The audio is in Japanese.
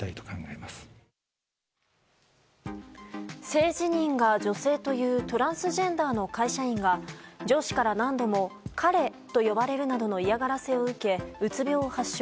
性自認が女性というトランスジェンダーの会社員が上司から何度も彼と呼ばれるなどの嫌がらせを受け、うつ病を発症。